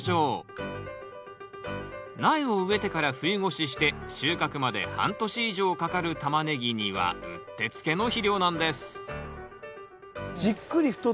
苗を植えてから冬越しして収穫まで半年以上かかるタマネギにはうってつけの肥料なんですああ